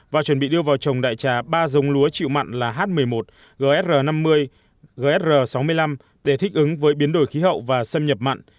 và chuẩn bị đưa vào trồng đại trà ba dống lúa chịu mặn là h một mươi một gr năm mươi gr sáu mươi năm để thích ứng với biến đổi khí hậu và xâm nhập mặn